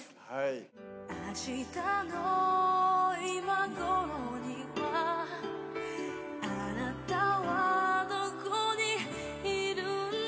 「明日の今頃にはあなたはどこにいるんだろう」